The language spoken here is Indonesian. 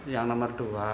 yang nomor dua